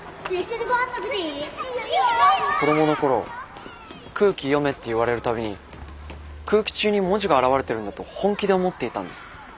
子供の頃空気読めって言われる度に空気中に文字が現れてるんだと本気で思っていたんです。